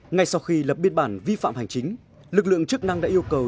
ngay sau khi lập biên bản vi phạm hành chính lực lượng chức năng đã yêu cầu